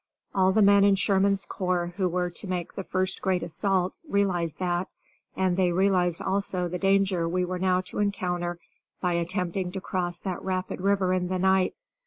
All the men in Sherman's corps who were to make the first great assault realized that, and they realized also the danger we were now to encounter by attempting to cross that rapid river in the night.